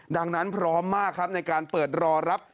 ดังนั้นพร้อมมากครับในการเปิดรอรับ